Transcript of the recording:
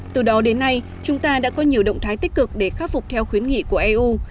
từ đó đến nay chúng ta đã có nhiều động thái tích cực để khắc phục theo khuyến nghị của eu